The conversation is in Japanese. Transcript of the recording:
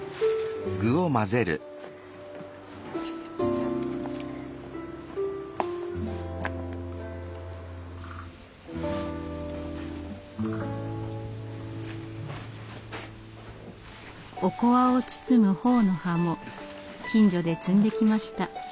おこわを包むほおの葉も近所で摘んできました。